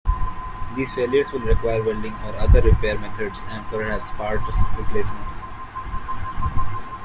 These failures will require welding or other repair methods and perhaps parts replacement.